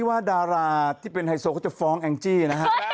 ว่าดาราที่เป็นไฮโซเขาจะฟ้องแองจี้นะฮะ